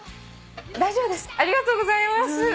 大丈夫ですありがとうございます。